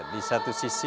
di satu sisi